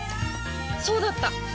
そうだった！